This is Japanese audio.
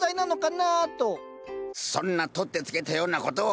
そんな取って付けたようなことを。